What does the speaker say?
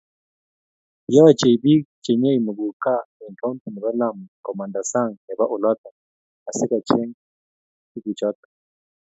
yochei biik chenyeei muguka eng kaunti nebo Lamu komanda sang nebo oloto asikocheny tukuchoto